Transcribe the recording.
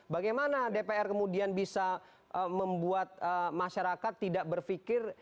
bagaimana dpr kemudian bisa membuat masyarakat tidak berpikir